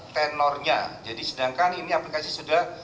tenornya jadi sedangkan ini aplikasi sudah